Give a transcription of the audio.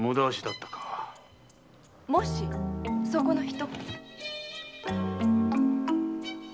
・もしそこの人。